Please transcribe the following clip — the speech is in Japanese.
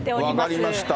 分かりました。